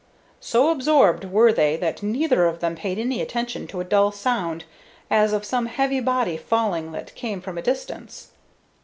So absorbed were they that neither of them paid any attention to a dull sound, as of some heavy body falling, that came from a distance.